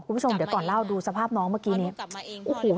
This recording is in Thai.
คุณผู้ชมเดี๋ยวก่อนเล่าดูสภาพน้องเมื่อกี้นี้โอ้โห